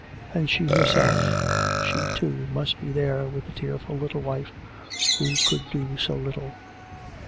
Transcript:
And she herself, she, too, must be there with the tearful little wife, who could do so little.